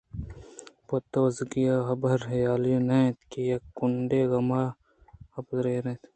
پت بزّگ حبر ءُحالی نہ اَت یک کنڈے ءَ غم ءَ کپت ءُایر بوت